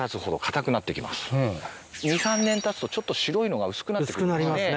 ２３年たつとちょっと白いのが薄くなってます。